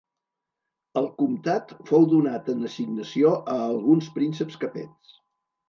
El comtat fou donat en assignació a alguns prínceps capets.